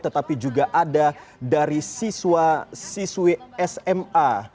tetapi juga ada dari siswa siswi sma